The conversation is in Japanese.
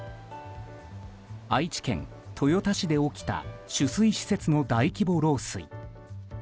愛知県豊田市で起きた取水施設の大規模漏水。